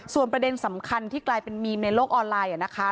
ส่วนประเด็นสำคัญที่กลายเป็นมีมในโลกออนไลน์นะคะ